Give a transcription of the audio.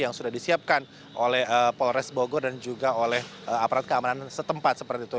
yang sudah disiapkan oleh polres bogor dan juga oleh aparat keamanan setempat seperti itu